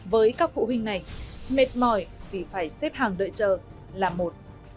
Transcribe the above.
với các phụ huynh này mệt mỏi vì phải xếp hàng đợi chờ là một